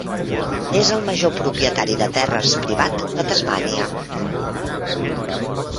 És el major propietari de terres privat de Tasmània.